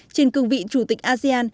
trên cương vị chủ tịch asean